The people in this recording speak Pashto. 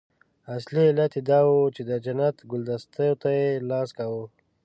اصلي علت یې دا وو چې د جنت ګلدستو ته یې لاس کاوه.